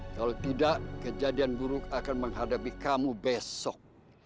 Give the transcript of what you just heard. kalau tidak kejadian buruk akan menghadapi kamu besok